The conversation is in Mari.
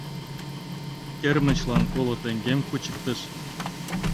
Кермычлан коло теҥгем кучыктыш.